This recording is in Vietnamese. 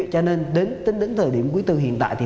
cho nên tính đến thời điểm quý tư hiện tại